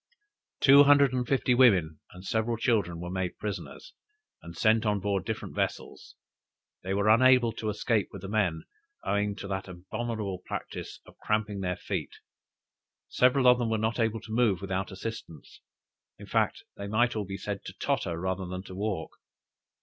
Two hundred and fifty women and several children, were made prisoners, and sent on board different vessels. They were unable to escape with the men, owing to that abominable practice of cramping their feet; several of them were not able to move without assistance. In fact, they might all be said to totter, rather than walk.